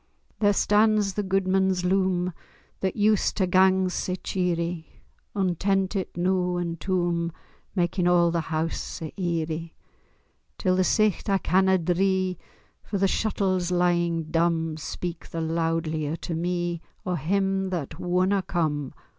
There stands the gudeman's loom That used tae gang sae cheerie, Untentit noo, and toom, Makin' a' the hoose sae eerie, Till the sicht I canna dree; For the shuttles lyin' dumb Speak the loudlier to me O' him that wunna come.